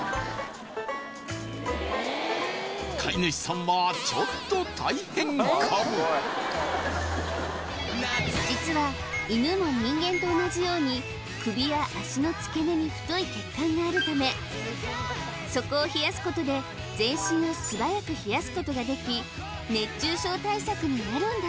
飼い主さんはちょっと大変かも実は犬も人間と同じように首や脚の付け根に太い血管があるためそこを冷やすことで全身を素早く冷やすことができ熱中症対策になるんだ